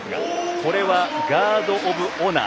これは、ガード・オブ・オナー。